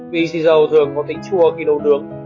vì xì dầu thường có tính chua khi nấu nướng